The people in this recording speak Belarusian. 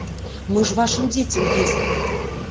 Мы ж вашым дзецям везлі!